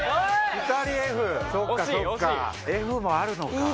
・２人ＦそっかそっかＦもあるのか。